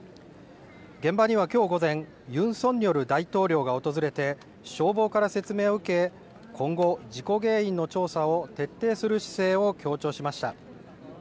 現場にはきょう午前、ユン・ソンニョル大統領が訪れて消防から説明を受け今後、事故原因の調査を徹底する姿勢を強調しました。